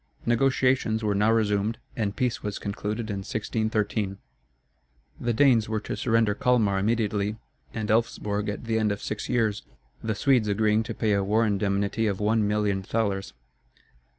Negotiations were now resumed and peace was concluded in 1613. The Danes were to surrender Calmar immediately and Elfsborg at the end of six years; the Swedes agreeing to pay a war indemnity of one million thalers.